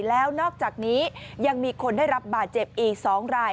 แล้วนอกจากนี้ยังมีคนได้รับบาดเจ็บอีก๒ราย